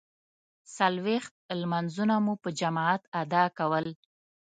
څلویښت لمانځونه مو په جماعت ادا کول.